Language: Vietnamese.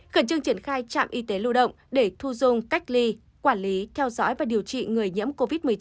khẩn trương triển khai trạm y tế lưu động để thu dung cách ly quản lý theo dõi và điều trị người nhiễm covid một mươi chín